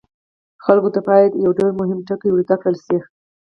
خلکو ته باید یو ډیر مهم ټکی ور زده کړل شي.